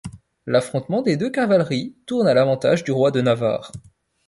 L’affrontement des deux cavaleries tourne à l’avantage du roi de Navarre.